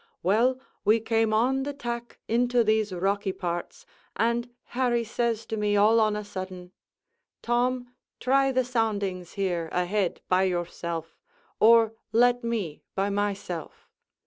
Well, we came on the tack into these rocky parts, and Harry says to me all on a sudden, 'Tom, try the soundings here, ahead, by yourself or let me, by myself.'